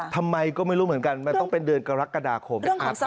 ทำไมก็ไม่รู้เหมือนกันมันต้องเป็นเดือนกรกฎาคม